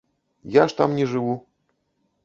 Я ж там не жыву.